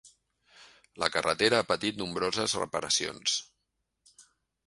La carretera ha patit nombroses reparacions.